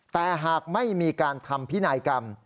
แต่หากไม่มีการทำพินัยกรรม